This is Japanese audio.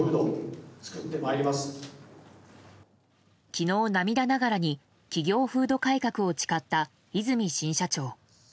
昨日、涙ながらに企業風土改革を誓った和泉新社長。